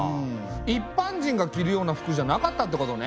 一般人が着るような服じゃなかったってことね。